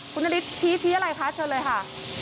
คุณนฤทธิชี้อะไรคะเชิญเลยค่ะ